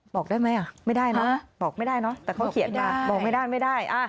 บอกได้ไหมไม่ได้นะบอกไม่ได้แต่เขาเขียนมาบอกไม่ได้